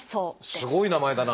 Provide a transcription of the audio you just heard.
すごい名前だな。